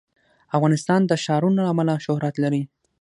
افغانستان د ښارونه له امله شهرت لري.